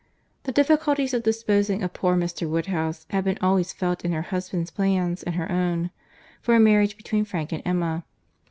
—The difficulty of disposing of poor Mr. Woodhouse had been always felt in her husband's plans and her own, for a marriage between Frank and Emma.